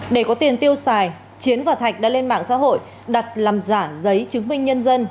để có tiền tiêu xài chiến và thạch đã lên mạng xã hội đặt làm giả giấy chứng minh nhân dân